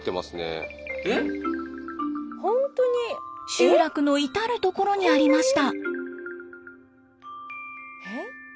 集落の至る所にありました。